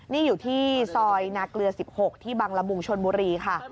นี่อยู่ที่ซอยนาเกลือ๑๖ที่บังละมุงชนบุรีค่ะ